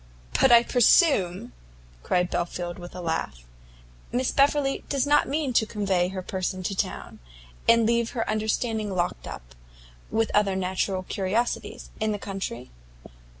"But I presume," cried Belfield, with a laugh, "Miss Beverley does not mean to convey her person to town, and leave her understanding locked up, with other natural curiosities, in the country?